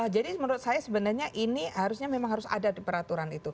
jadi menurut saya sebenarnya ini harusnya memang harus ada di peraturan